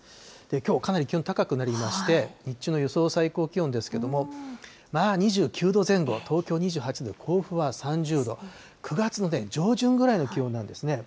きょう、かなり気温高くなりまして、日中の予想最高気温ですけれども、２９度前後、東京２８度、甲府は３０度、９月の上旬ぐらいの気温なんですね。